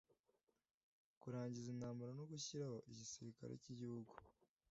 kurangiza intambara no gushyiraho igisirikare k igihugu